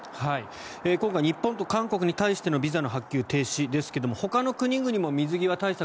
今回日本と韓国に対してのビザの発給停止ですがほかの国々も水際対策